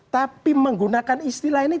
tapi menggunakan istilah ini